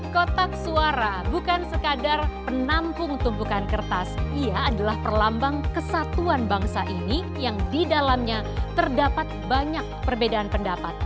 kotak suara bukan sekadar penampung tumpukan kertas ia adalah perlambang kesatuan bangsa ini yang di dalamnya terdapat banyak perbedaan pendapat